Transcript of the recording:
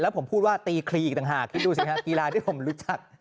ผมพูดว่าตีคลีอีกต่างหากคิดดูสิครับกีฬาที่ผมรู้จัก